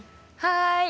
はい。